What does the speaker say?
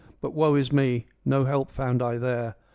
But woe is me, no help found I there.